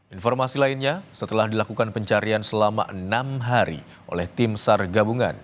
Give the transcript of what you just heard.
informasi lainnya setelah dilakukan pencarian selama enam hari oleh tim sar gabungan